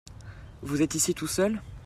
Vous êtes ici tout seul ?